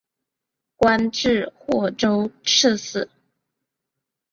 官至霍州刺史。